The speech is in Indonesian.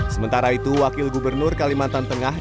sementara itu wakil gubernur kalimantan tengah